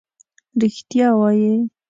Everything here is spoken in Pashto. رښتیا وایې.